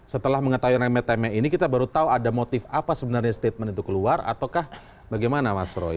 setelah mengetahui remeh temeh ini kita baru tahu ada motif apa sebenarnya statement itu keluar ataukah bagaimana mas roy